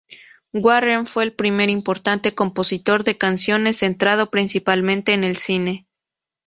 Warren fue el primer importante compositor de canciones centrado principalmente en el cine.